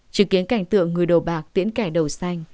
chỉ kiến cảnh tượng người đầu bạc tiễn kẻ đầu xanh